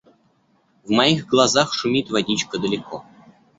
В моих глазах шумит водичка далеко.